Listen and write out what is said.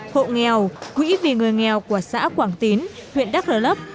hộ nghèo quỹ vì người nghèo của xã quảng tín huyện đắk rờ lấp